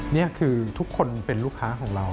นี่คือทุกคนเป็นลูกค้าของเรา